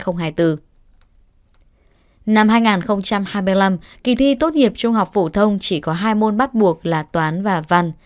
năm hai nghìn hai mươi năm kỳ thi tốt nghiệp trung học phổ thông chỉ có hai môn bắt buộc là toán và văn